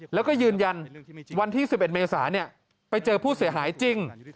แล้วก็ยืนยันวันที่๑๑เมษาไปเจอผู้เสียหายจริง